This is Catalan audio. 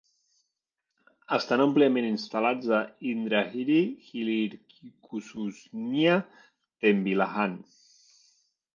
Estan àmpliament instal·lats a Indragiri Hilirkhususnya Tembilahan.